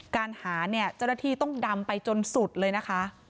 การหาเนี่ยเจ้าหน้าที่ต้องดำไปจนสุดเลยนะคะ